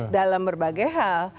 dalam berbagai hal